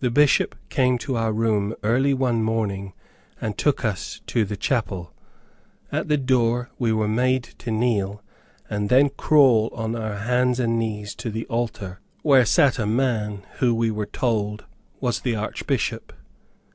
The Bishop came to our room early one morning, and took us to the chapel. At the door we were made to kneel, and then crawl on our hands and knees to the altar, where sat a man, who we were told, was the Archbishop.